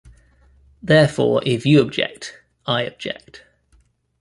Therefore if you object, I object.